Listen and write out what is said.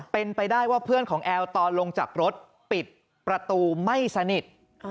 เป็นไปได้ว่าเพื่อนของแอลตอนลงจากรถปิดประตูไม่สนิท